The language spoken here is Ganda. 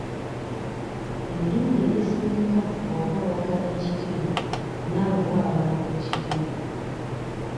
Emirundi egisinga bw'oba oyagala ekitiibwa naawe wa abantu ekitiibwa.